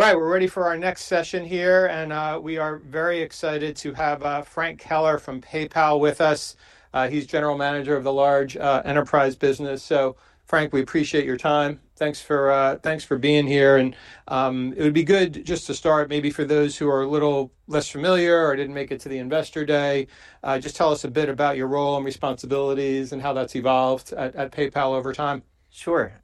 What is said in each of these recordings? All right, we're ready for our next session here, and we are very excited to have Frank Keller from PayPal with us. He's General Manager of the large enterprise business. Frank, we appreciate your time. Thanks for being here. It would be good just to start, maybe for those who are a little less familiar or didn't make it to the investor day, just tell us a bit about your role and responsibilities and how that's evolved at PayPal over time. Sure.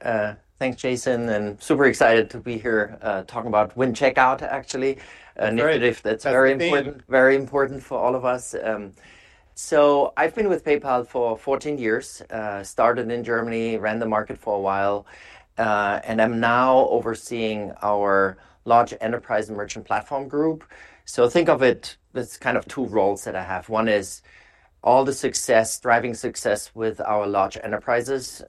Thanks, Jason. Super excited to be here talking about when checkout, actually. Right. That's very important, very important for all of us. I've been with PayPal for 14 years, started in Germany, ran the market for a while, and I'm now overseeing our large enterprise merchant platform group. Think of it, there's kind of two roles that I have. One is all the success, driving success with our large enterprises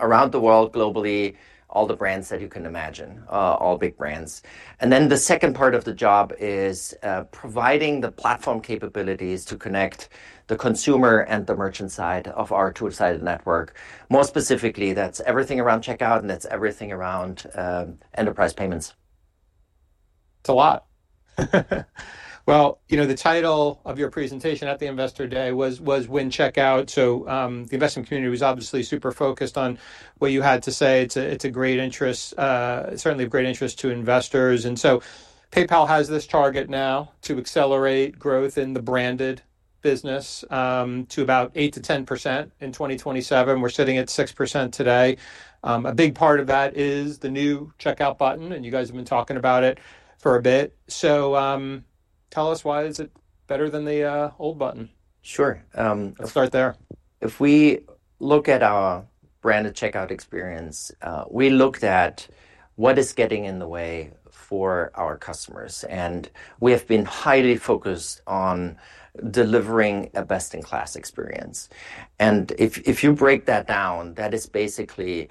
around the world, globally, all the brands that you can imagine, all big brands. The second part of the job is providing the platform capabilities to connect the consumer and the merchant side of our two-sided network. More specifically, that's everything around checkout, and that's everything around enterprise payments. It's a lot. You know, the title of your presentation at the investor day was Win Checkout. The investment community was obviously super focused on what you had to say. It is a great interest, certainly a great interest to investors. PayPal has this target now to accelerate growth in the branded business to about 8%-10% in 2027. We are sitting at 6% today. A big part of that is the new checkout button, and you guys have been talking about it for a bit. Tell us, why is it better than the old button? Sure. Let's start there. If we look at our branded checkout experience, we looked at what is getting in the way for our customers. We have been highly focused on delivering a best-in-class experience. If you break that down, that is basically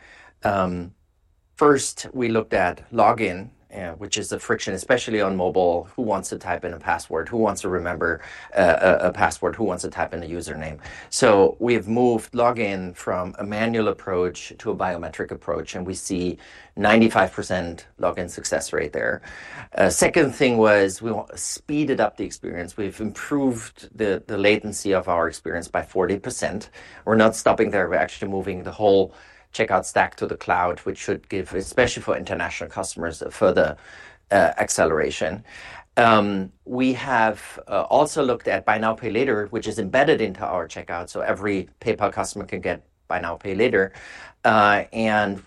first, we looked at login, which is a friction, especially on mobile. Who wants to type in a password? Who wants to remember a password? Who wants to type in a username? We have moved login from a manual approach to a biometric approach, and we see 95% login success rate there. The second thing was we speeded up the experience. We have improved the latency of our experience by 40%. We are not stopping there. We are actually moving the whole checkout stack to the cloud, which should give, especially for international customers, a further acceleration. We have also looked at Buy Now, Pay Later, which is embedded into our checkout. Every PayPal customer can get Buy Now, Pay Later.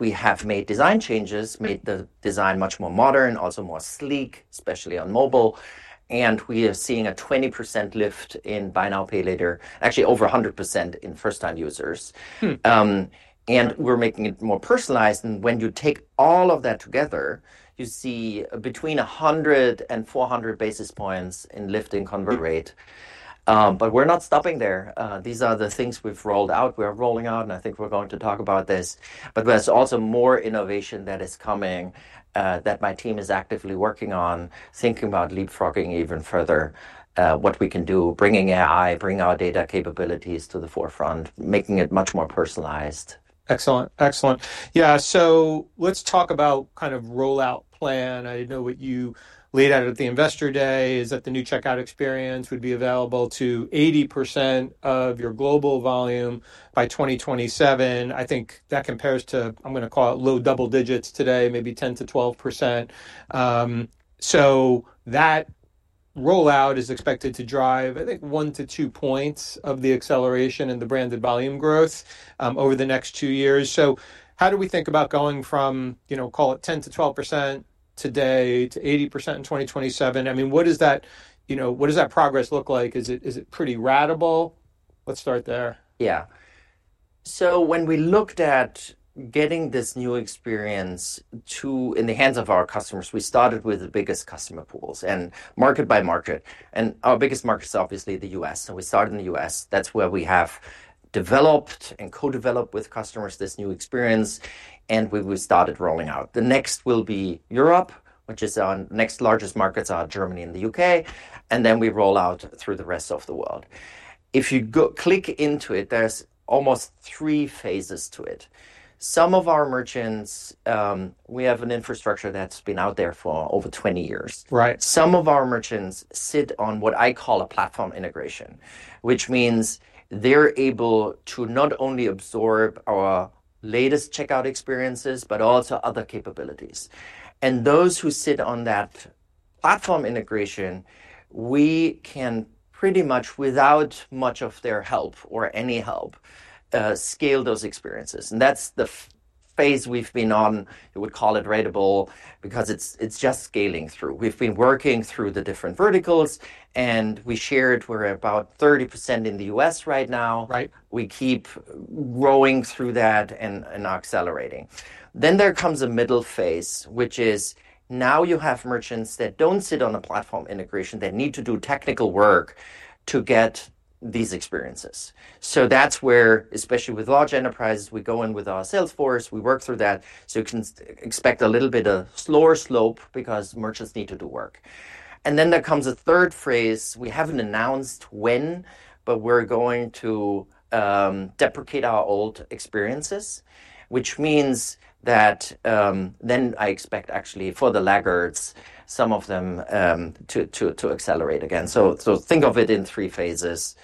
We have made design changes, made the design much more modern, also more sleek, especially on mobile. We are seeing a 20% lift in Buy Now, Pay Later, actually over 100% in first-time users. We are making it more personalized. When you take all of that together, you see between 100 and 400 basis points in lift in convert rate. We are not stopping there. These are the things we have rolled out. We are rolling out, and I think we are going to talk about this. There is also more innovation that is coming that my team is actively working on, thinking about leapfrogging even further, what we can do, bringing AI, bringing our data capabilities to the forefront, making it much more personalized. Excellent. Excellent. Yeah. Let's talk about kind of rollout plan. I know what you laid out at the investor day is that the new checkout experience would be available to 80% of your global volume by 2027. I think that compares to, I'm going to call it low double digits today, maybe 10%-12%. That rollout is expected to drive, I think, one to two points of the acceleration in the branded volume growth over the next two years. How do we think about going from, you know, call it 10%-12% today to 80% in 2027? I mean, what does that, you know, what does that progress look like? Is it pretty ratable? Let's start there. Yeah. When we looked at getting this new experience in the hands of our customers, we started with the biggest customer pools and market by market. Our biggest market is obviously the US. We started in the US. That is where we have developed and co-developed with customers this new experience. We started rolling out. The next will be Europe, which is our next largest markets are Germany and the UK. We roll out through the rest of the world. If you click into it, there are almost three phases to it. Some of our merchants, we have an infrastructure that has been out there for over 20 years. Right. Some of our merchants sit on what I call a platform integration, which means they're able to not only absorb our latest checkout experiences, but also other capabilities. Those who sit on that platform integration, we can pretty much, without much of their help or any help, scale those experiences. That's the phase we've been on. We would call it ratable because it's just scaling through. We've been working through the different verticals, and we shared we're about 30% in the US right now. Right. We keep growing through that and accelerating. Then there comes a middle phase, which is now you have merchants that do not sit on a platform integration. They need to do technical work to get these experiences. That is where, especially with large enterprises, we go in with our sales force. We work through that. You can expect a little bit of slower slope because merchants need to do work. There comes a third phase. We have not announced when, but we are going to deprecate our old experiences, which means that then I expect actually for the laggards, some of them to accelerate again. Think of it in three phases.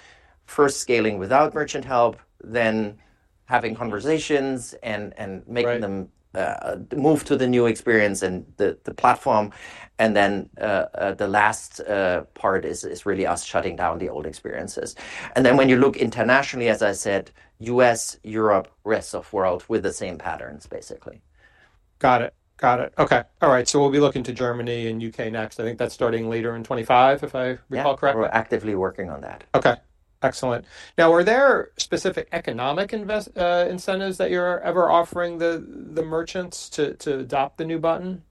First, scaling without merchant help, then having conversations and making them move to the new experience and the platform. The last part is really us shutting down the old experiences. When you look internationally, as I said, US, Europe, rest of world with the same patterns, basically. Got it. Got it. Okay. All right. We'll be looking to Germany and U.K. next. I think that's starting later in 2025, if I recall correct. Yeah. We're actively working on that. Okay. Excellent. Now, are there specific economic incentives that you're ever offering the merchants to adopt the new button?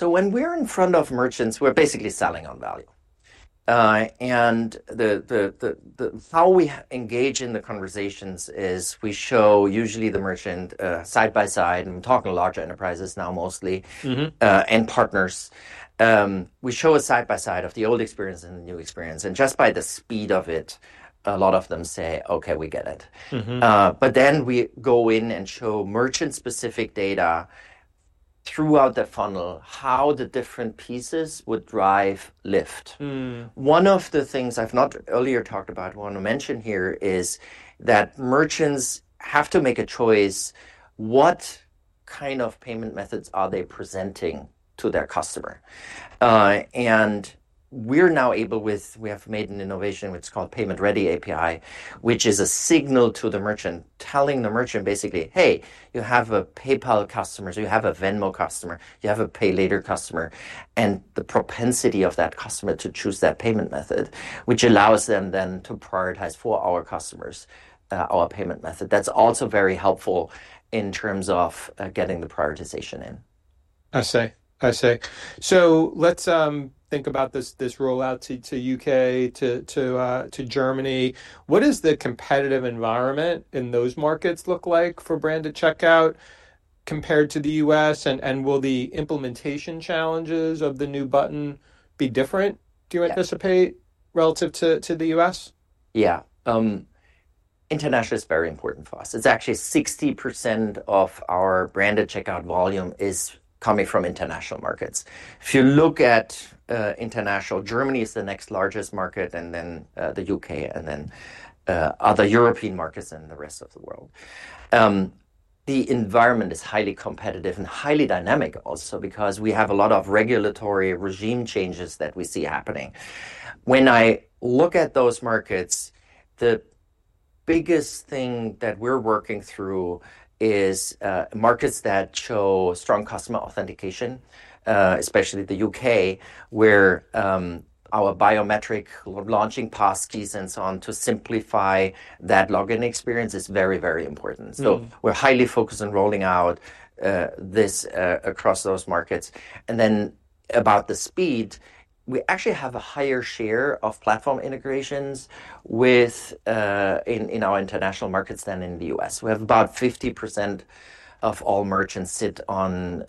When we're in front of merchants, we're basically selling on value. How we engage in the conversations is we show usually the merchant side by side. I'm talking large enterprises now, mostly, and partners. We show a side by side of the old experience and the new experience. Just by the speed of it, a lot of them say, "Okay, we get it." We go in and show merchant-specific data throughout the funnel, how the different pieces would drive lift. One of the things I've not earlier talked about, want to mention here is that merchants have to make a choice. What kind of payment methods are they presenting to their customer? We are now able with, we have made an innovation, it's called Payment Ready API, which is a signal to the merchant, telling the merchant basically, "Hey, you have a PayPal customer, so you have a Venmo customer, you have a pay later customer," and the propensity of that customer to choose that payment method, which allows them then to prioritize for our customers our payment method. That is also very helpful in terms of getting the prioritization in. I see. I see. Let's think about this rollout to the U.K., to Germany. What does the competitive environment in those markets look like for branded checkout compared to the U.S.? Will the implementation challenges of the new button be different, do you anticipate, relative to the U.S.? Yeah. International is very important for us. It's actually 60% of our branded checkout volume is coming from international markets. If you look at international, Germany is the next largest market, and then the U.K., and then other European markets and the rest of the world. The environment is highly competitive and highly dynamic also because we have a lot of regulatory regime changes that we see happening. When I look at those markets, the biggest thing that we're working through is markets that show strong customer authentication, especially the U.K., where our biometric launching passkeys and so on to simplify that login experience is very, very important. We are highly focused on rolling out this across those markets. About the speed, we actually have a higher share of platform integrations in our international markets than in the U.S. We have about 50% of all merchants sit on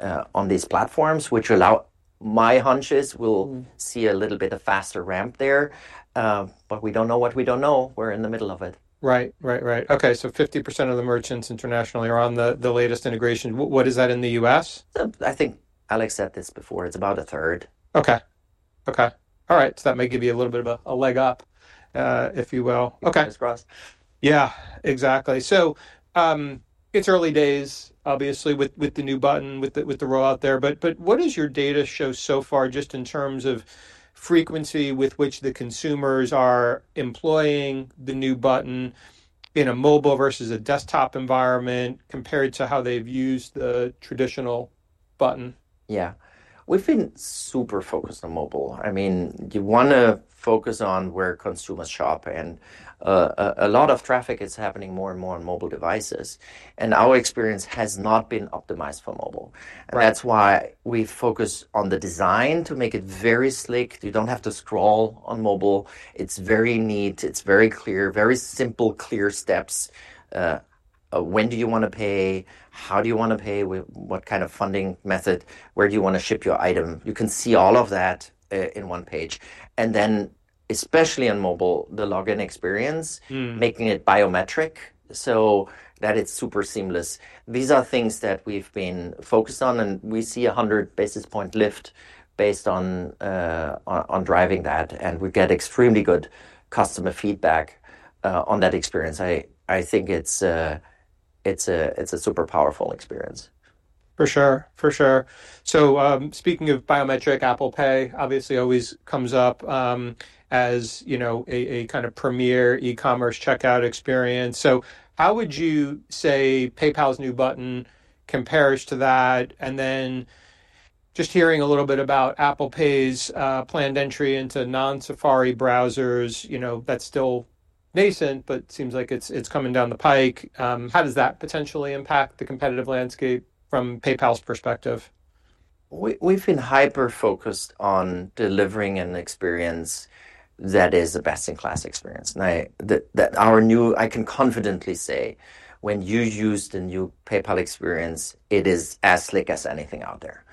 these platforms, which allow my hunch is we'll see a little bit of faster ramp there. We do not know what we do not know. We're in the middle of it. Right. Right. Right. Okay. So 50% of the merchants internationally are on the latest integration. What is that in the U.S.? I think Alex said this before. It's about a third. Okay. Okay. All right. So that may give you a little bit of a leg up, if you will. Okay. Fingers crossed. Yeah, exactly. It is early days, obviously, with the new button, with the rollout there. What does your data show so far just in terms of frequency with which the consumers are employing the new button in a mobile versus a desktop environment compared to how they have used the traditional button? Yeah. We've been super focused on mobile. I mean, you want to focus on where consumers shop. A lot of traffic is happening more and more on mobile devices. Our experience has not been optimized for mobile. That is why we focus on the design to make it very slick. You do not have to scroll on mobile. It is very neat. It is very clear, very simple, clear steps. When do you want to pay? How do you want to pay? What kind of funding method? Where do you want to ship your item? You can see all of that in one page. Especially on mobile, the login experience, making it biometric so that it is super seamless. These are things that we have been focused on, and we see a 100 basis point lift based on driving that. We get extremely good customer feedback on that experience. I think it's a super powerful experience. For sure. For sure. Speaking of biometric, Apple Pay obviously always comes up as a kind of premier e-commerce checkout experience. How would you say PayPal's new button compares to that? Just hearing a little bit about Apple Pay's planned entry into non-Safari browsers, you know, that's still nascent, but seems like it's coming down the pike. How does that potentially impact the competitive landscape from PayPal's perspective? We've been hyper-focused on delivering an experience that is a best-in-class experience. Our new, I can confidently say, when you use the new PayPal experience, it is as slick as anything out there.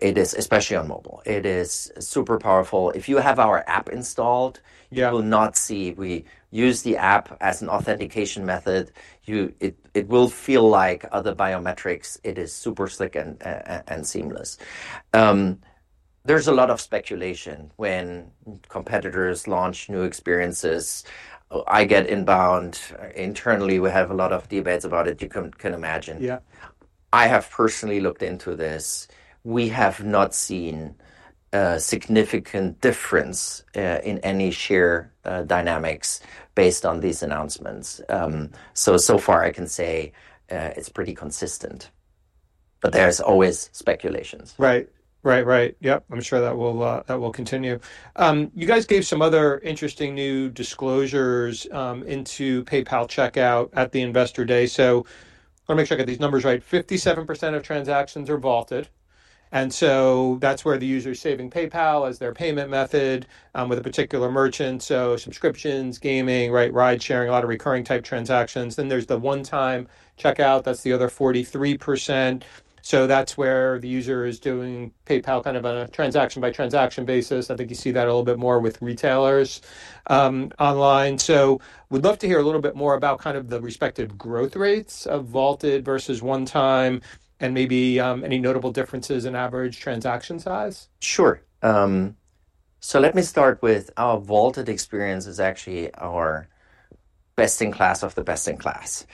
It is, especially on mobile. It is super powerful. If you have our app installed, you will not see. We use the app as an authentication method. It will feel like other biometrics. It is super slick and seamless. There's a lot of speculation when competitors launch new experiences. I get inbound. Internally, we have a lot of debates about it. You can imagine. Yeah. I have personally looked into this. We have not seen a significant difference in any share dynamics based on these announcements. So far, I can say it's pretty consistent. But there's always speculations. Right. Right. Right. Yep. I'm sure that will continue. You guys gave some other interesting new disclosures into PayPal checkout at the investor day. I want to make sure I get these numbers right. 57% of transactions are vaulted. That's where the user is saving PayPal as their payment method with a particular merchant. Subscriptions, gaming, right? Ride-sharing, a lot of recurring type transactions. There's the one-time checkout. That's the other 43%. That's where the user is doing PayPal kind of on a transaction-by-transaction basis. I think you see that a little bit more with retailers online. We'd love to hear a little bit more about the respective growth rates of vaulted versus one-time and maybe any notable differences in average transaction size. Sure. Let me start with our vaulted experience is actually our best-in-class of the best-in-class.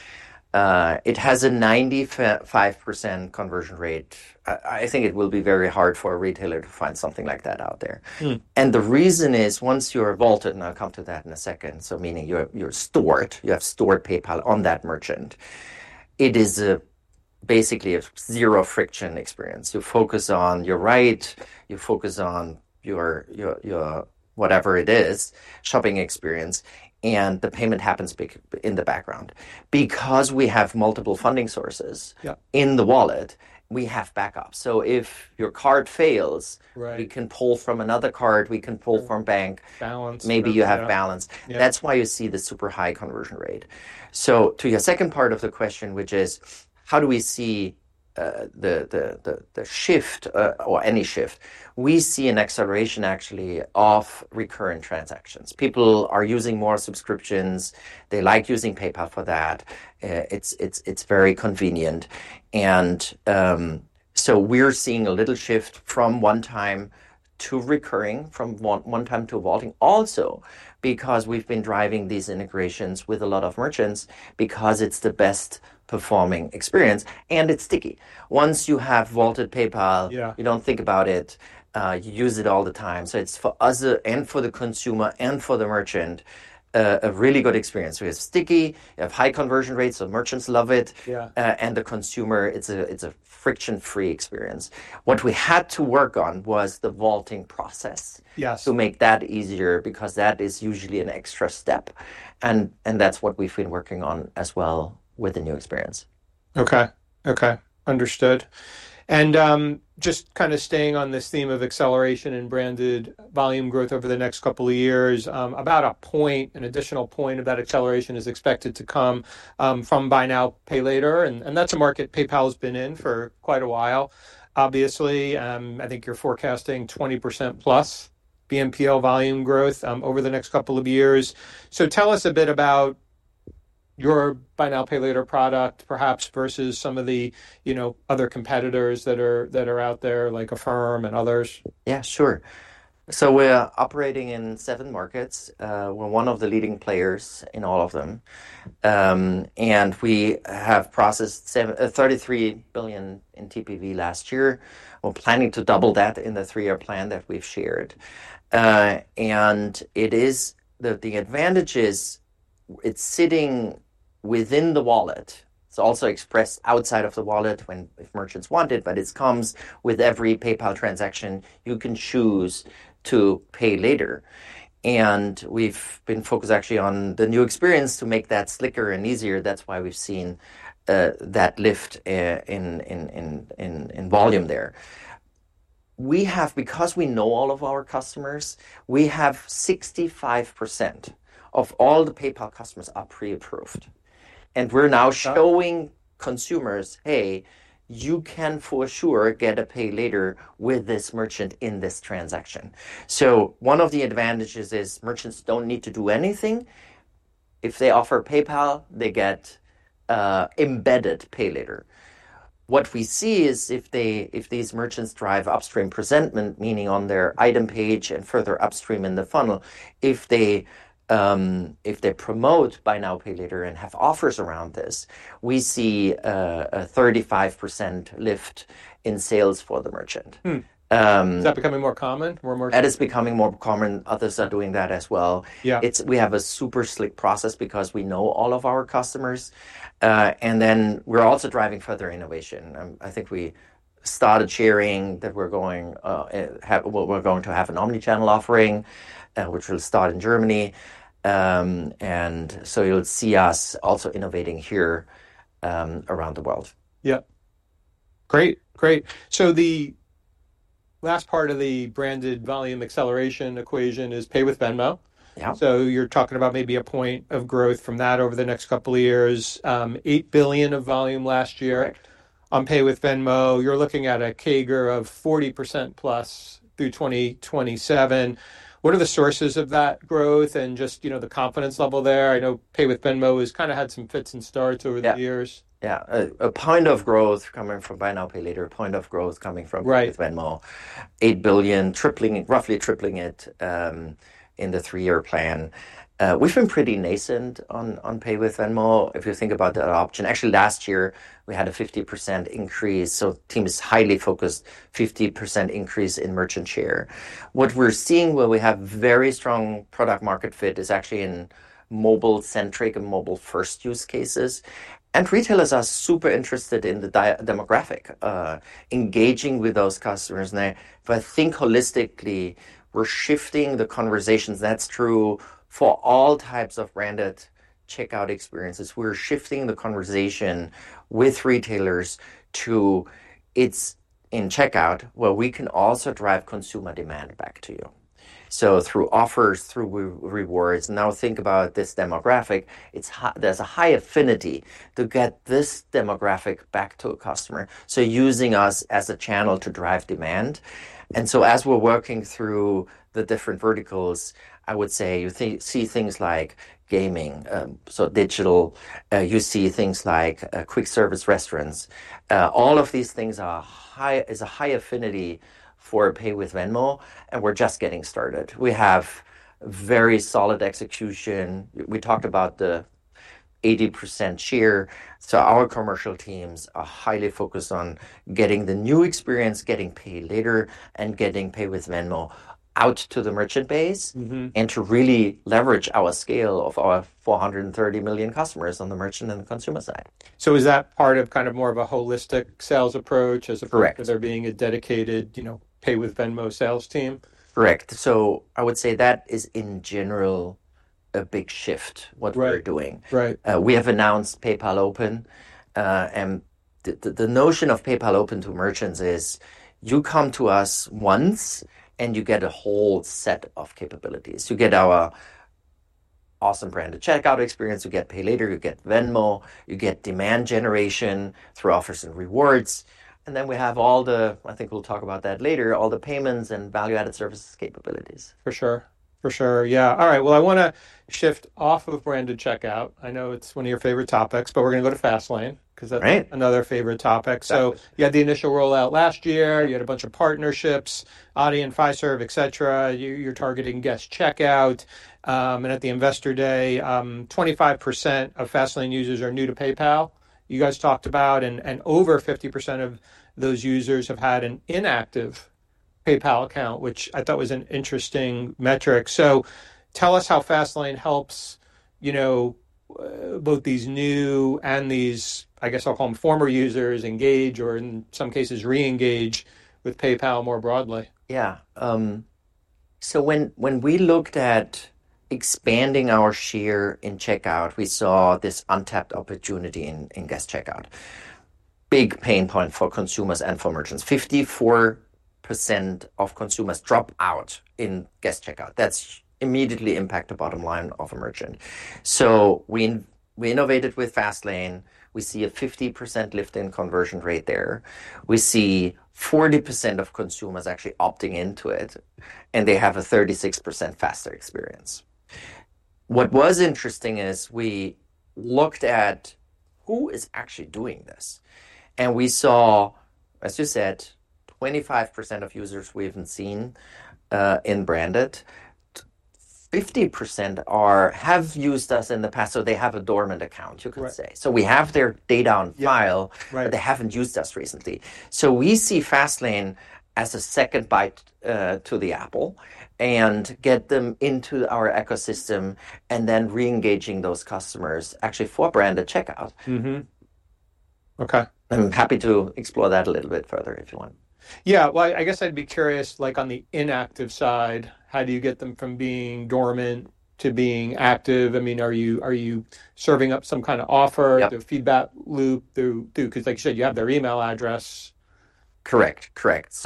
It has a 95% conversion rate. I think it will be very hard for a retailer to find something like that out there. The reason is once you're vaulted, and I'll come to that in a second, so meaning you're stored, you have stored PayPal on that merchant, it is basically a zero-friction experience. You focus on your right, you focus on your whatever it is, shopping experience, and the payment happens in the background. Because we have multiple funding sources in the wallet, we have backups. If your card fails, we can pull from another card, we can pull from bank. Balance. Maybe you have balance. That's why you see the super high conversion rate. To your second part of the question, which is how do we see the shift or any shift, we see an acceleration actually of recurring transactions. People are using more subscriptions. They like using PayPal for that. It's very convenient. We are seeing a little shift from one-time to recurring, from one-time to vaulting. Also, because we've been driving these integrations with a lot of merchants, because it's the best performing experience, and it's sticky. Once you have vaulted PayPal, you don't think about it. You use it all the time. It is for us and for the consumer and for the merchant, a really good experience. It is sticky. You have high conversion rates, so merchants love it. The consumer, it's a friction-free experience. What we had to work on was the vaulting process to make that easier because that is usually an extra step. That is what we have been working on as well with the new experience. Okay. Okay. Understood. Just kind of staying on this theme of acceleration and branded volume growth over the next couple of years, about a point, an additional point of that acceleration is expected to come from Buy Now, Pay Later. That is a market PayPal has been in for quite a while. Obviously, I think you're forecasting 20%+ BNPL volume growth over the next couple of years. Tell us a bit about your Buy Now, Pay Later product, perhaps versus some of the other competitors that are out there, like Affirm and others. Yeah, sure. We're operating in seven markets. We're one of the leading players in all of them. We have processed $33 billion in TPV last year. We're planning to double that in the three-year plan that we've shared. The advantage is it's sitting within the wallet. It's also expressed outside of the wallet when merchants want it, but it comes with every PayPal transaction. You can choose to pay later. We've been focused actually on the new experience to make that slicker and easier. That's why we've seen that lift in volume there. Because we know all of our customers, we have 65% of all the PayPal customers are pre-approved. We're now showing consumers, "Hey, you can for sure get a pay later with this merchant in this transaction." One of the advantages is merchants don't need to do anything. If they offer PayPal, they get embedded Pay Later. What we see is if these merchants drive upstream presentment, meaning on their item page and further upstream in the funnel, if they promote Buy Now, Pay Later and have offers around this, we see a 35% lift in sales for the merchant. Is that becoming more common? More merchants? That is becoming more common. Others are doing that as well. We have a super slick process because we know all of our customers. We are also driving further innovation. I think we started sharing that we are going to have an omnichannel offering, which will start in Germany. You will see us also innovating here around the world. Great. Great. The last part of the branded volume acceleration equation is pay with Venmo. You're talking about maybe a point of growth from that over the next couple of years. $8 billion of volume last year on pay with Venmo. You're looking at a CAGR of 40% plus through 2027. What are the sources of that growth and just the confidence level there? I know pay with Venmo has kind of had some fits and starts over the years. Yeah. A point of growth coming from Buy Now, Pay Later, a point of growth coming from Pay with Venmo. $8 billion, roughly tripling it in the three-year plan. We've been pretty nascent on Pay with Venmo. If you think about that option, actually last year we had a 50% increase. The team is highly focused, 50% increase in merchant share. What we're seeing where we have very strong product-market fit is actually in mobile-centric and mobile-first use cases. Retailers are super interested in the demographic, engaging with those customers. If I think holistically, we're shifting the conversations. That's true for all types of branded checkout experiences. We're shifting the conversation with retailers to it's in checkout where we can also drive consumer demand back to you. Through offers, through rewards. Now think about this demographic. There's a high affinity to get this demographic back to a customer. Using us as a channel to drive demand. As we're working through the different verticals, I would say you see things like gaming, so digital. You see things like quick service restaurants. All of these things are high, is a high affinity for Pay with Venmo, and we're just getting started. We have very solid execution. We talked about the 80% share. Our commercial teams are highly focused on getting the new experience, getting Pay Later, and getting Pay with Venmo out to the merchant base and to really leverage our scale of our 430 million customers on the merchant and the consumer side. Is that part of kind of more of a holistic sales approach as opposed to there being a dedicated Pay with Venmo sales team? Correct. I would say that is in general a big shift what we're doing. We have announced PayPal Open. The notion of PayPal Open to merchants is you come to us once and you get a whole set of capabilities. You get our awesome branded checkout experience. You get pay later. You get Venmo. You get demand generation through offers and rewards. I think we'll talk about that later, all the payments and value-added services capabilities. For sure. For sure. Yeah. All right. I want to shift off of branded checkout. I know it's one of your favorite topics, but we're going to go to Fastlane because that's another favorite topic. You had the initial rollout last year. You had a bunch of partnerships, Adyen and Fiserv, et cetera. You're targeting guest checkout. At the investor day, 25% of Fastlane users are new to PayPal. You guys talked about, and over 50% of those users have had an inactive PayPal account, which I thought was an interesting metric. Tell us how Fastlane helps both these new and these, I guess I'll call them former users engage or in some cases re-engage with PayPal more broadly. Yeah. When we looked at expanding our share in checkout, we saw this untapped opportunity in guest checkout. Big pain point for consumers and for merchants. 54% of consumers drop out in guest checkout. That immediately impacts the bottom line of a merchant. We innovated with Fastlane. We see a 50% lift in conversion rate there. We see 40% of consumers actually opting into it, and they have a 36% faster experience. What was interesting is we looked at who is actually doing this. We saw, as you said, 25% of users we have not seen in branded. 50% have used us in the past, so they have a dormant account, you could say. We have their data on file, but they have not used us recently. We see Fastlane as a second bite to the apple and get them into our ecosystem and then re-engaging those customers actually for branded checkout. I'm happy to explore that a little bit further if you want. Yeah. I guess I'd be curious, like on the inactive side, how do you get them from being dormant to being active? I mean, are you serving up some kind of offer through feedback loop? Because like you said, you have their email address. Correct. Correct.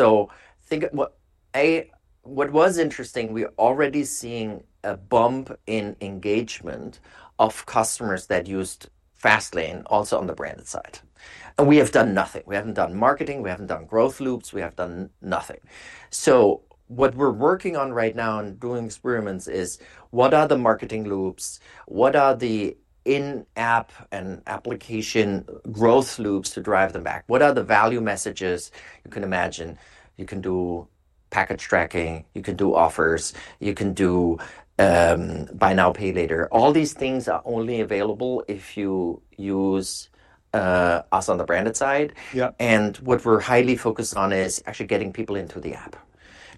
What was interesting, we're already seeing a bump in engagement of customers that used Fastlane also on the branded side. We have done nothing. We haven't done marketing. We haven't done growth loops. We have done nothing. What we're working on right now and doing experiments is what are the marketing loops? What are the in-app and application growth loops to drive them back? What are the value messages? You can imagine you can do package tracking. You can do offers. You can do Buy Now, Pay Later. All these things are only available if you use us on the branded side. What we're highly focused on is actually getting people into the app.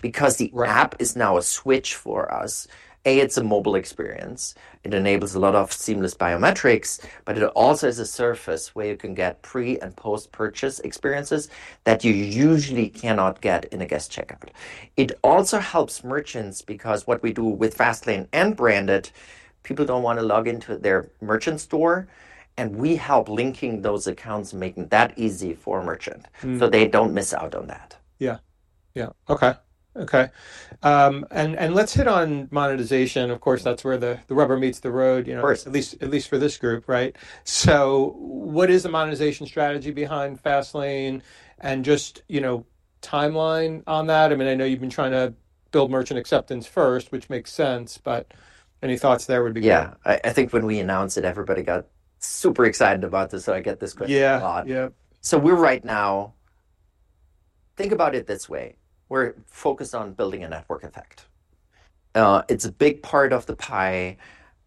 Because the app is now a switch for us. A, it's a mobile experience. It enables a lot of seamless biometrics, but it also is a surface where you can get pre and post-purchase experiences that you usually cannot get in a guest checkout. It also helps merchants because what we do with Fastlane and branded, people do not want to log into their merchant store. We help linking those accounts, making that easy for a merchant so they do not miss out on that. Yeah. Yeah. Okay. Okay. Let's hit on monetization. Of course, that's where the rubber meets the road, at least for this group, right? What is the monetization strategy behind Fastlane and just timeline on that? I mean, I know you've been trying to build merchant acceptance first, which makes sense, but any thoughts there would be good. Yeah. I think when we announced it, everybody got super excited about this. I get this question a lot. Right now, think about it this way. We're focused on building a network effect. It's a big part of the pie.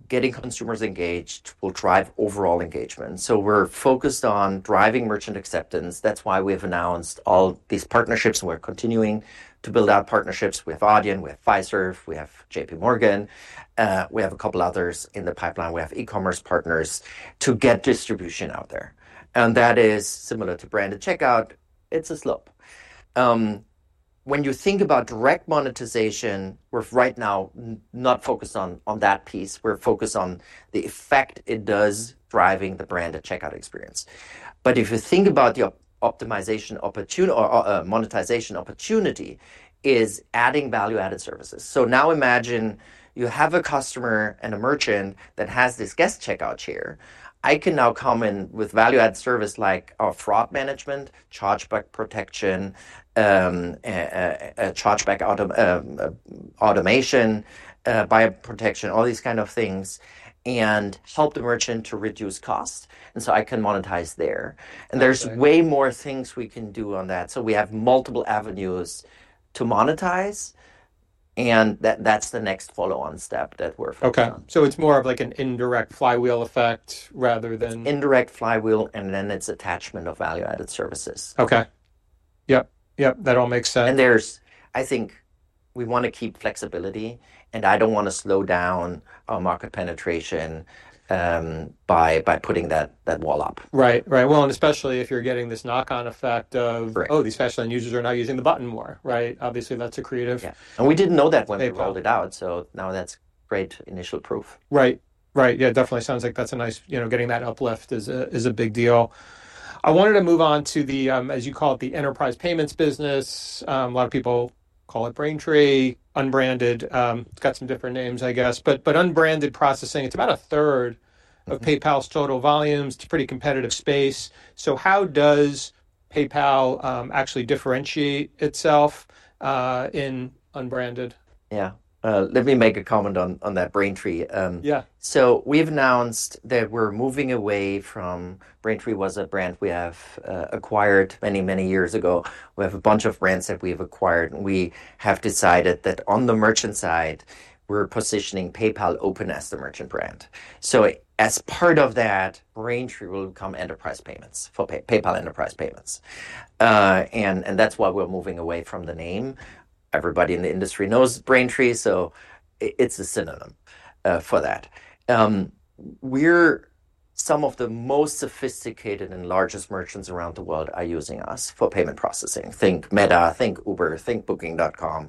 Getting consumers engaged will drive overall engagement. We're focused on driving merchant acceptance. That's why we've announced all these partnerships, and we're continuing to build out partnerships. We have Adyen, we have Fiserv, we have JPMorgan. We have a couple others in the pipeline. We have e-commerce partners to get distribution out there. That is similar to branded checkout. It's a slope. When you think about direct monetization, we're right now not focused on that piece. We're focused on the effect it does driving the branded checkout experience. If you think about your optimization opportunity or monetization opportunity, it is adding value-added services. Now imagine you have a customer and a merchant that has this guest checkout chair. I can now come in with value-added service like fraud management, chargeback protection, chargeback automation, buyer protection, all these kinds of things, and help the merchant to reduce cost. I can monetize there. There are way more things we can do on that. We have multiple avenues to monetize. That is the next follow-on step that we're focused on. Okay. So it's more of like an indirect flywheel effect rather than. Indirect flywheel, and then it's attachment of value-added services. Okay. Yep. Yep. That all makes sense. I think we want to keep flexibility, and I don't want to slow down our market penetration by putting that wall up. Right. Right. Especially if you're getting this knock-on effect of, oh, these Fastlane users are now using the button more, right? Obviously, that's accretive. We didn't know that when we rolled it out. Now that's great initial proof. Right. Right. Yeah. Definitely sounds like that's a nice, getting that uplift is a big deal. I wanted to move on to the, as you call it, the enterprise payments business. A lot of people call it Braintree, unbranded. It's got some different names, I guess. But unbranded processing, it's about a third of PayPal's total volumes. It's a pretty competitive space. How does PayPal actually differentiate itself in unbranded? Yeah. Let me make a comment on that Braintree. We have announced that we are moving away from Braintree, which was a brand we acquired many, many years ago. We have a bunch of brands that we have acquired. We have decided that on the merchant side, we are positioning PayPal Open as the merchant brand. As part of that, Braintree will become enterprise payments for PayPal enterprise payments. That is why we are moving away from the name. Everybody in the industry knows Braintree, so it is a synonym for that. Some of the most sophisticated and largest merchants around the world are using us for payment processing. Think Meta, think Uber, think Booking.com.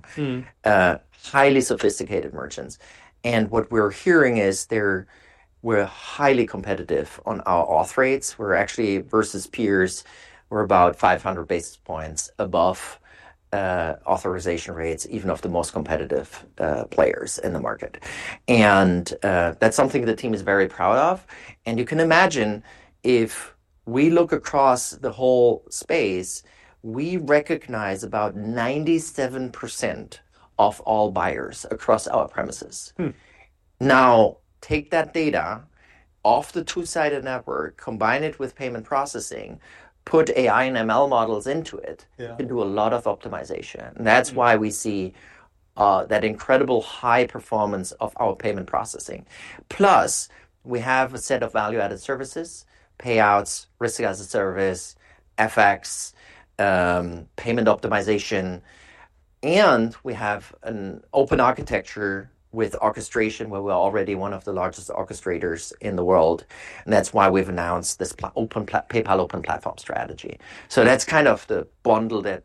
Highly sophisticated merchants. What we are hearing is they are highly competitive on our auth rates. We are actually versus peers, we are about 500 basis points above authorization rates, even of the most competitive players in the market. That is something the team is very proud of. You can imagine if we look across the whole space, we recognize about 97% of all buyers across our premises. Now take that data off the two-sided network, combine it with payment processing, put AI and ML models into it, you can do a lot of optimization. That is why we see that incredible high performance of our payment processing. Plus, we have a set of value-added services, payouts, risk as a service, FX, payment optimization. We have an open architecture with orchestration where we are already one of the largest orchestrators in the world. That is why we have announced this PayPal Open Platform strategy. That is kind of the bundle that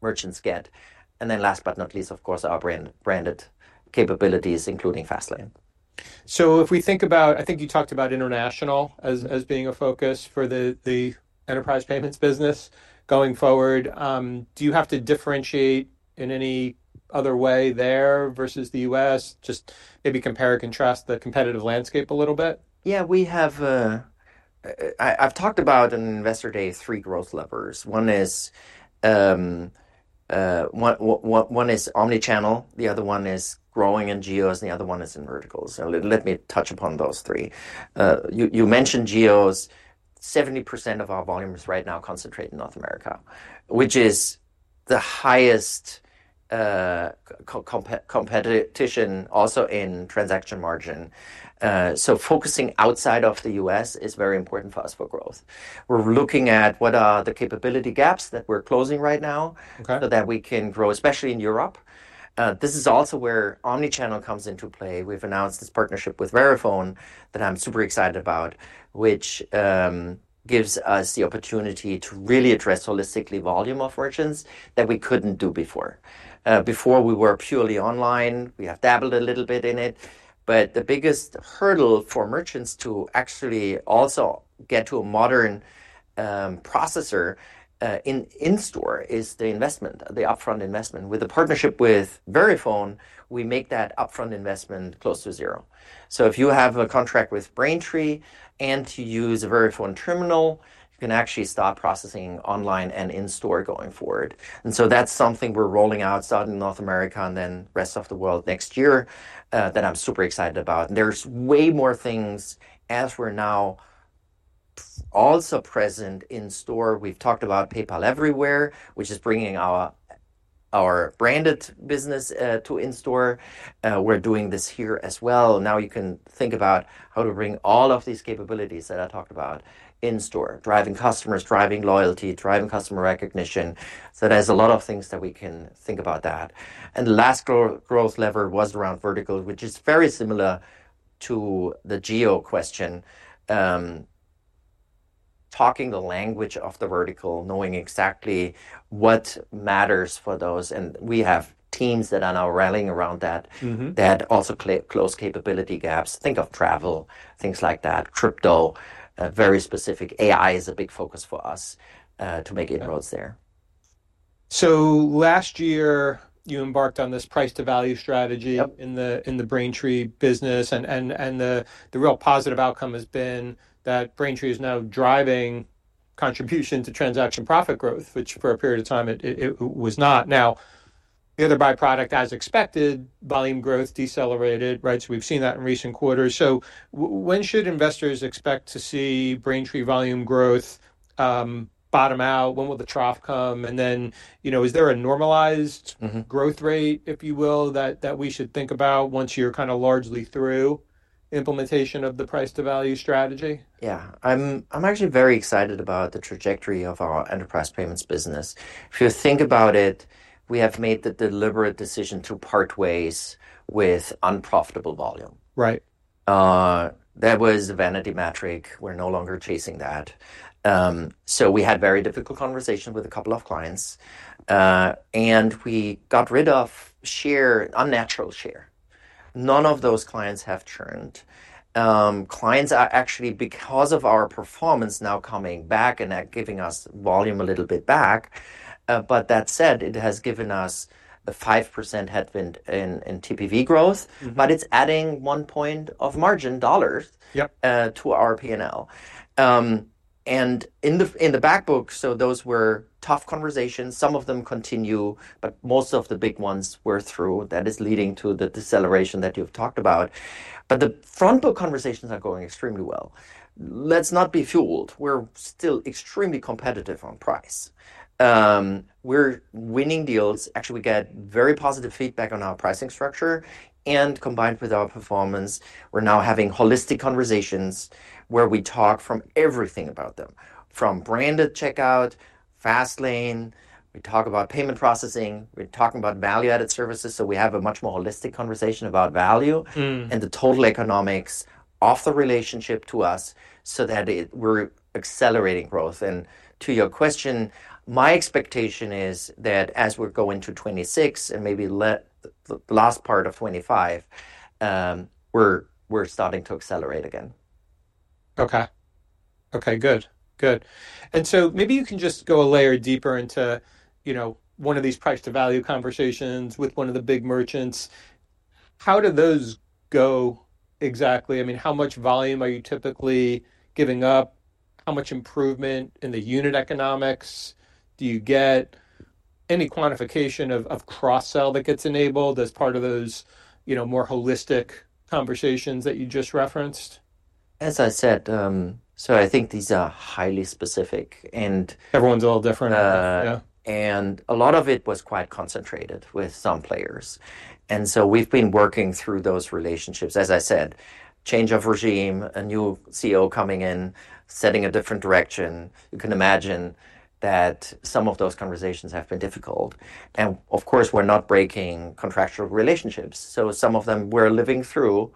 merchants get. Last but not least, of course, our branded capabilities, including Fastlane. If we think about, I think you talked about international as being a focus for the enterprise payments business going forward. Do you have to differentiate in any other way there versus the U.S.? Just maybe compare and contrast the competitive landscape a little bit. Yeah. I've talked about on investor day three growth levers. One is omnichannel. The other one is growing in geos, and the other one is in verticals. Let me touch upon those three. You mentioned geos. 70% of our volumes right now concentrate in North America, which is the highest competition also in transaction margin. Focusing outside of the U.S. is very important for us for growth. We're looking at what are the capability gaps that we're closing right now so that we can grow, especially in Europe. This is also where omnichannel comes into play. We've announced this partnership with Verifone that I'm super excited about, which gives us the opportunity to really address holistically volume of merchants that we couldn't do before. Before we were purely online, we have dabbled a little bit in it. The biggest hurdle for merchants to actually also get to a modern processor in store is the investment, the upfront investment. With the partnership with Verifone, we make that upfront investment close to zero. If you have a contract with Braintree and you use a Verifone terminal, you can actually start processing online and in store going forward. That is something we're rolling out, starting in North America and then rest of the world next year that I'm super excited about. There are way more things as we're now also present in store. We've talked about PayPal Everywhere, which is bringing our branded business to in store. We're doing this here as well. Now you can think about how to bring all of these capabilities that I talked about in store, driving customers, driving loyalty, driving customer recognition. There are a lot of things that we can think about that. The last growth lever was around verticals, which is very similar to the geo question. Talking the language of the vertical, knowing exactly what matters for those. We have teams that are now rallying around that, that also close capability gaps. Think of travel, things like that, crypto, very specific. AI is a big focus for us to make inroads there. Last year, you embarked on this price-to-value strategy in the Braintree business. The real positive outcome has been that Braintree is now driving contribution to transaction profit growth, which for a period of time it was not. The other byproduct, as expected, volume growth decelerated, right? We have seen that in recent quarters. When should investors expect to see Braintree volume growth bottom out? When will the trough come? Is there a normalized growth rate, if you will, that we should think about once you are kind of largely through implementation of the price-to-value strategy? Yeah. I'm actually very excited about the trajectory of our enterprise payments business. If you think about it, we have made the deliberate decision to part ways with unprofitable volume. That was a vanity metric. We're no longer chasing that. We had a very difficult conversation with a couple of clients. We got rid of unnatural share. None of those clients have churned. Clients are actually, because of our performance, now coming back and giving us volume a little bit back. That said, it has given us a 5% headwind in TPV growth, but it's adding one point of margin dollars to our P&L. In the backbook, those were tough conversations. Some of them continue, but most of the big ones we're through. That is leading to the deceleration that you've talked about. The front book conversations are going extremely well. Let's not be fooled. We're still extremely competitive on price. We're winning deals. Actually, we get very positive feedback on our pricing structure. Combined with our performance, we're now having holistic conversations where we talk from everything about them, from branded checkout, Fastlane, we talk about payment processing, we're talking about value-added services. We have a much more holistic conversation about value and the total economics of the relationship to us so that we're accelerating growth. To your question, my expectation is that as we're going to 2026 and maybe the last part of 2025, we're starting to accelerate again. Okay. Good. Good. Maybe you can just go a layer deeper into one of these price-to-value conversations with one of the big merchants. How do those go exactly? I mean, how much volume are you typically giving up? How much improvement in the unit economics do you get? Any quantification of cross-sell that gets enabled as part of those more holistic conversations that you just referenced? As I said, I think these are highly specific. Everyone's a little different. A lot of it was quite concentrated with some players. We have been working through those relationships. As I said, change of regime, a new CEO coming in, setting a different direction. You can imagine that some of those conversations have been difficult. Of course, we are not breaking contractual relationships. Some of them we are living through,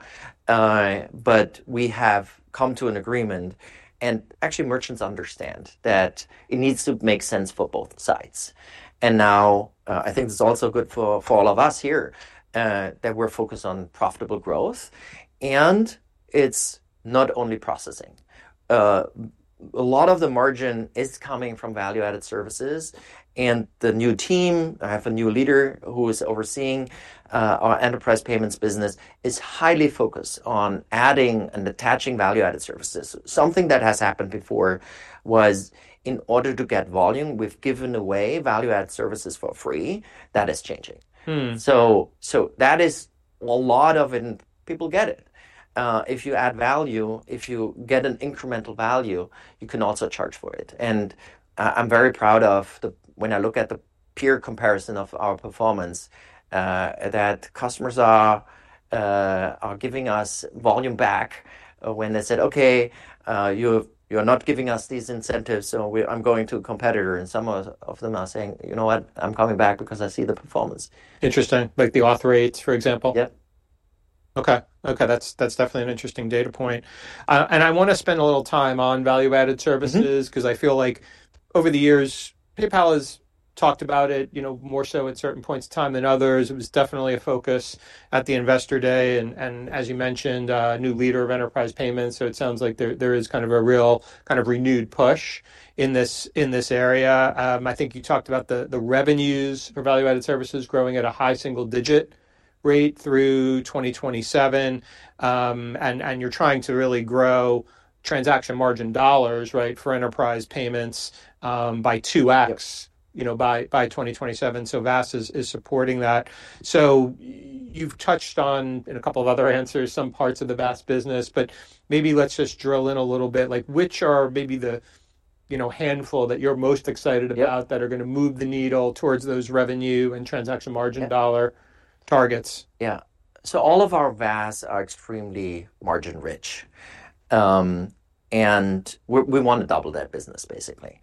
but we have come to an agreement. Actually, merchants understand that it needs to make sense for both sides. I think this is also good for all of us here that we are focused on profitable growth. It is not only processing. A lot of the margin is coming from value-added services. The new team, I have a new leader who is overseeing our enterprise payments business, is highly focused on adding and attaching value-added services. Something that has happened before was in order to get volume, we've given away value-added services for free. That is changing. That is a lot of it. People get it. If you add value, if you get an incremental value, you can also charge for it. I'm very proud of when I look at the peer comparison of our performance, that customers are giving us volume back when they said, "Okay, you're not giving us these incentives, so I'm going to a competitor." Some of them are saying, "You know what? I'm coming back because I see the performance. Interesting. Like the auth rates, for example? Yep. Okay. Okay. That's definitely an interesting data point. I want to spend a little time on value-added services because I feel like over the years, PayPal has talked about it more so at certain points in time than others. It was definitely a focus at the investor day. As you mentioned, new leader of enterprise payments. It sounds like there is kind of a real kind of renewed push in this area. I think you talked about the revenues for value-added services growing at a high single-digit rate through 2027. You're trying to really grow transaction margin dollars, right, for enterprise payments by 2X by 2027. So VAS is supporting that. You've touched on in a couple of other answers, some parts of the VAS business, but maybe let's just drill in a little bit. Like which are maybe the handful that you're most excited about that are going to move the needle towards those revenue and transaction margin dollar targets? Yeah. All of our VAS are extremely margin-rich. We want to double that business, basically.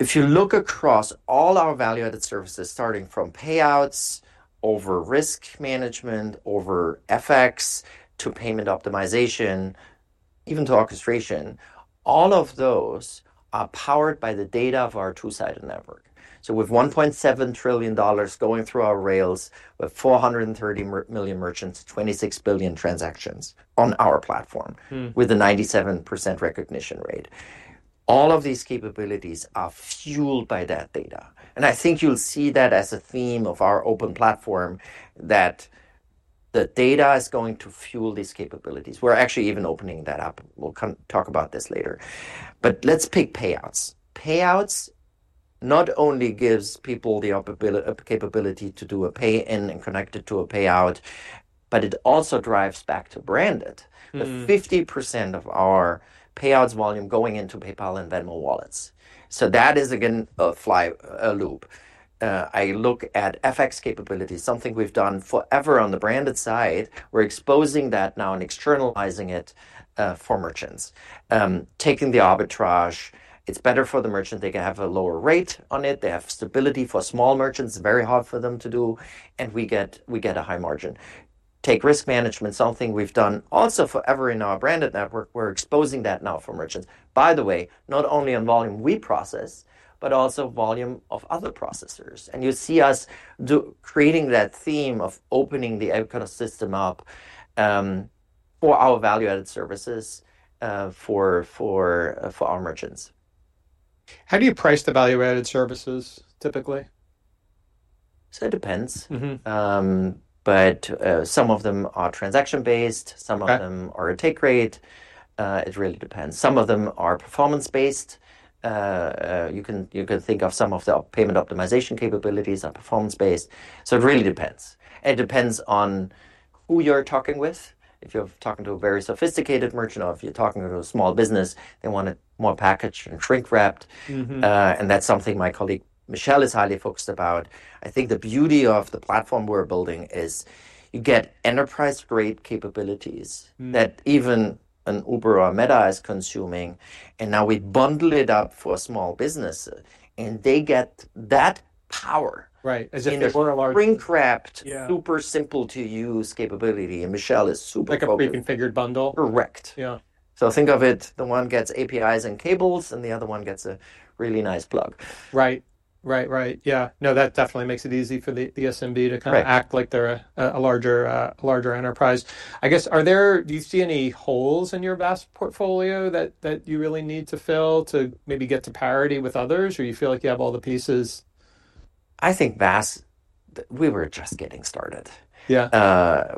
If you look across all our value-added services, starting from payouts over risk management, over FX to payment optimization, even to orchestration, all of those are powered by the data of our two-sided network. With $1.7 trillion going through our rails, we have 430 million merchants, 26 billion transactions on our platform with a 97% recognition rate. All of these capabilities are fueled by that data. I think you'll see that as a theme of our open platform, that the data is going to fuel these capabilities. We're actually even opening that up. We'll talk about this later. Let's pick payouts. Payouts not only gives people the capability to do a pay-in and connect it to a payout, but it also drives back to branded. 50% of our payouts volume going into PayPal and Venmo wallets. That is, again, a fly loop. I look at FX capabilities, something we've done forever on the branded side. We're exposing that now and externalizing it for merchants. Taking the arbitrage, it's better for the merchant. They can have a lower rate on it. They have stability for small merchants. It's very hard for them to do. We get a high margin. Take risk management, something we've done also forever in our branded network. We're exposing that now for merchants. By the way, not only on volume we process, but also volume of other processors. You see us creating that theme of opening the ecosystem up for our value-added services for our merchants. How do you price the value-added services typically? It depends. Some of them are transaction-based. Some of them are a take rate. It really depends. Some of them are performance-based. You can think of some of the payment optimization capabilities as performance-based. It really depends. It depends on who you're talking with. If you're talking to a very sophisticated merchant or if you're talking to a small business, they want it more packaged and shrink-wrapped. That's something my colleague Michelle is highly focused on. I think the beauty of the platform we're building is you get enterprise-grade capabilities that even an Uber or a Meta is consuming. Now we bundle it up for small businesses, and they get that power. Right. As if they were a large. Shrink-wrapped, super simple-to-use capability. Michelle is super cool. Like a pre-configured bundle? Correct. Yeah. Think of it, the one gets APIs and cables, and the other one gets a really nice plug. Right. Right. Right. Yeah. No, that definitely makes it easy for the SMB to kind of act like they're a larger enterprise. I guess, do you see any holes in your VAS portfolio that you really need to fill to maybe get to parity with others? Or you feel like you have all the pieces? I think Fastlane, we were just getting started. Yeah.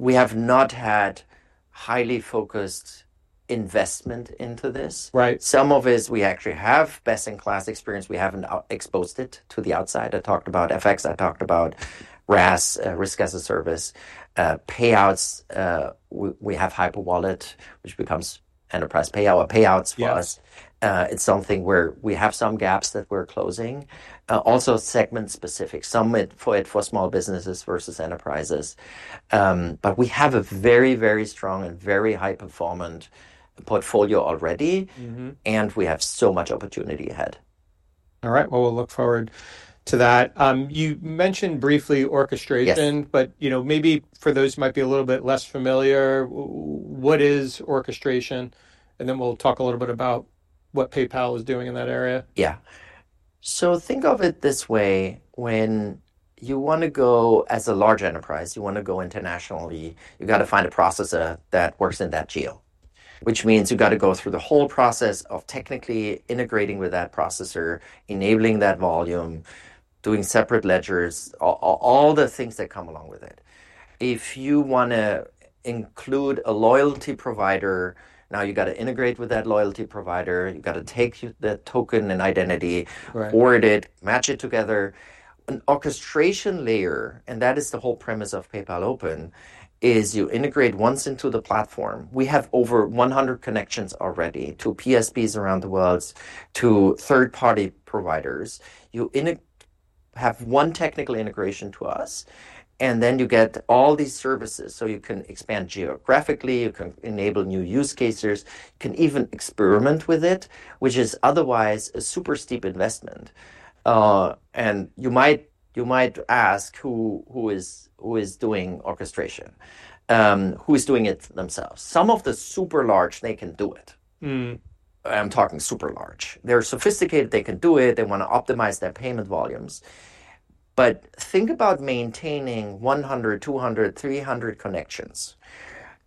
We have not had highly focused investment into this. Right. Some of it, we actually have best-in-class experience. We haven't exposed it to the outside. I talked about FX. I talked about RAS, risk as a service. Payouts, we have Hyperwallet, which becomes enterprise payout. Payouts for us. It's something where we have some gaps that we're closing. Also segment-specific, some for small businesses versus enterprises. We have a very, very strong and very high-performant portfolio already. We have so much opportunity ahead. All right. We'll look forward to that. You mentioned briefly orchestration, but maybe for those who might be a little bit less familiar, what is orchestration? Then we'll talk a little bit about what PayPal is doing in that area. Yeah. So think of it this way. When you want to go as a large enterprise, you want to go internationally, you've got to find a processor that works in that geo, which means you've got to go through the whole process of technically integrating with that processor, enabling that volume, doing separate ledgers, all the things that come along with it. If you want to include a loyalty provider, now you've got to integrate with that loyalty provider. You've got to take the token and identity, word it, match it together. An orchestration layer, and that is the whole premise of PayPal Open, is you integrate once into the platform. We have over 100 connections already to PSPs around the world, to third-party providers. You have one technical integration to us, and then you get all these services. So you can expand geographically. You can enable new use cases. You can even experiment with it, which is otherwise a super steep investment. You might ask, who is doing orchestration? Who is doing it themselves? Some of the super large, they can do it. I'm talking super large. They're sophisticated. They can do it. They want to optimize their payment volumes. Think about maintaining 100, 200, 300 connections.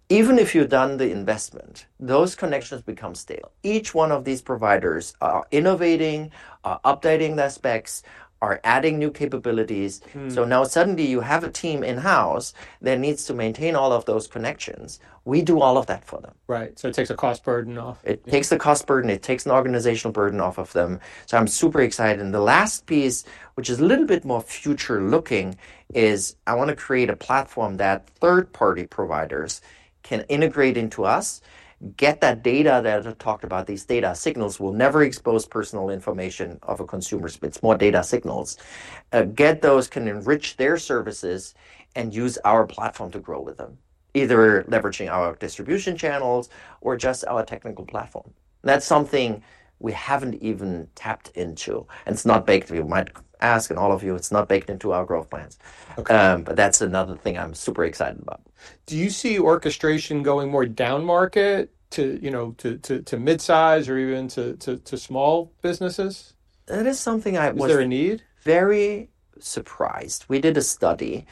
Even if you've done the investment, those connections become stale. Each one of these providers are innovating, are updating their specs, are adding new capabilities. Now suddenly you have a team in-house that needs to maintain all of those connections. We do all of that for them. Right. It takes a cost burden off. It takes a cost burden. It takes an organizational burden off of them. I'm super excited. The last piece, which is a little bit more future-looking, is I want to create a platform that third-party providers can integrate into us, get that data that I talked about. These data signals will never expose personal information of a consumer. It's more data signals. Get those, can enrich their services, and use our platform to grow with them, either leveraging our distribution channels or just our technical platform. That's something we haven't even tapped into. It's not baked. You might ask and all of you, it's not baked into our growth plans. That's another thing I'm super excited about. Do you see orchestration going more down market to midsize or even to small businesses? That is something I was. Was there a need? Very surprised. We did a study,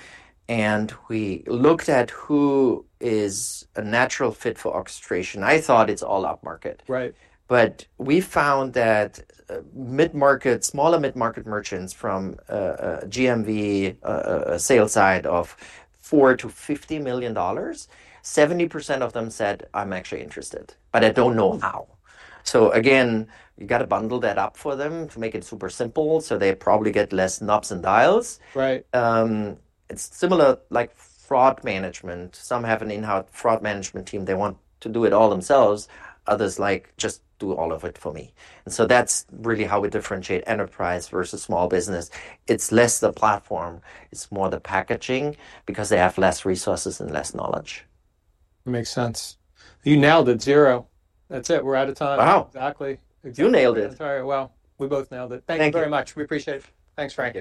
and we looked at who is a natural fit for orchestration. I thought it's all up market. Right. We found that mid-market, smaller mid-market merchants from GMV, a sales side of $4 million to $50 million, 70% of them said, "I'm actually interested, but I don't know how." You have to bundle that up for them to make it super simple so they probably get less knobs and dials. Right. It's similar like fraud management. Some have an in-house fraud management team. They want to do it all themselves. Others like just do all of it for me. That's really how we differentiate enterprise versus small business. It's less the platform. It's more the packaging because they have less resources and less knowledge. Makes sense. You nailed it. Zero. That's it. We're out of time. Wow. Exactly. You nailed it. I'm sorry. We both nailed it. Thank you very much. We appreciate it. Thanks, Frank.